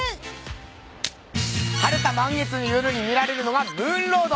晴れた満月の夜に見られるのがムーンロード。